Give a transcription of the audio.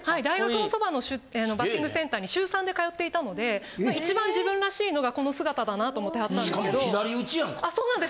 大学のそばのバッティングセンターに週３で通っていたので一番自分らしいのがこの姿だなと思って貼ったんですけど。